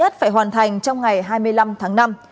trong ngày hai mươi năm tháng năm